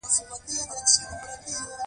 فضل ماته وویل زه اول یم